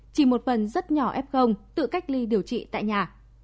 chỉ một phần rất nhỏ f tự cách ly điều trị tại nhà